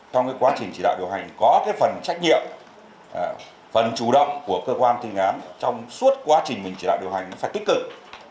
trong quá trình chỉ đạo điều hành có phần trách nhiệm phần chủ động của cơ quan tình án trong suốt quá trình mình chỉ đạo điều hành nó phải tích cực